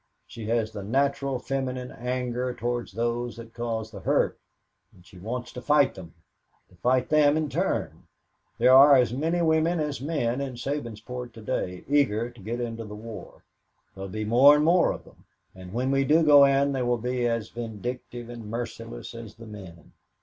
She has the natural feminine anger towards those that caused the hurt, and she wants to fight them, to hurt them in turn. There are as many women as men in Sabinsport to day eager to get into the war. There'll be more and more of them, and when we do go in they will be as vindictive and merciless as the men."